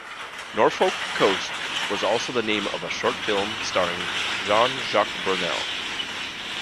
"Norfolk Coast" was also the name of a short film starring Jean Jacques Burnel.